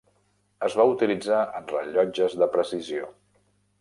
Es va utilitzar en rellotges de precisió.